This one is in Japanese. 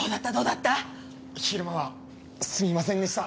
昼間はすみませんでした！